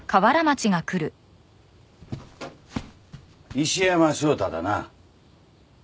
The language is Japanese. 石山翔太だな？